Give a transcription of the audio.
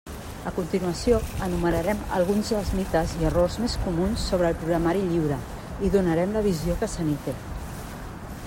A continuació enumerarem alguns dels mites i errors més comuns sobre el programari lliure i donarem la visió que se n'hi té.